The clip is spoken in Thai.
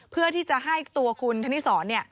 เพื่อที่จะให้ตัวคุณธนิสร